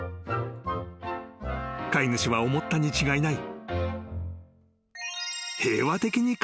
［飼い主は思ったに違いない］